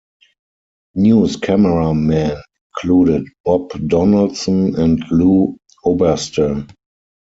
News cameramen included Bob Donaldson and Lou Oberste.